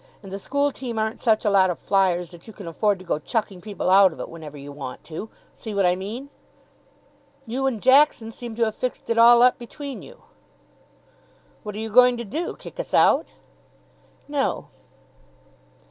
And the school team aren't such a lot of flyers that you can afford to go chucking people out of it whenever you want to. See what I mean?" "You and Jackson seem to have fixed it all up between you." "What are you going to do? Kick us out?" "No."